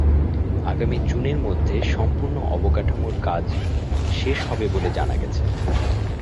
আগামী জুনের মধ্যে সম্পূর্ণ অবকাঠামোর কাজ শেষ হবে বলে জানা গেছে।